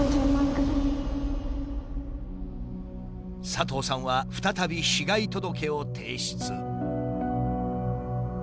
佐藤さんは再び被害届を提出。